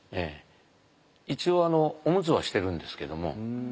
一応オムツはしてるんですけども。